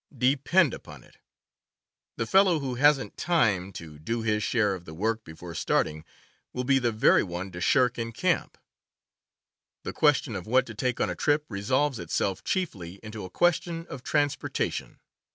Depend upon it, the fellow who "hasn't time" to do his share of the work before starting will be the very one to shirk in camp. The question of what to take on a trip resolves itself chiefly into a question of transportation.